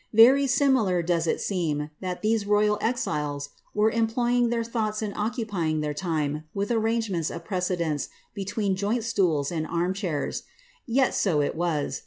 Very singular does it seen, that these royal exiles were employing their thoughts and occupyinff tlieir time with arrangements of precedence between joint «tools and arm chairs — yet so it was.